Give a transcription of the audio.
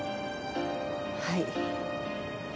はい。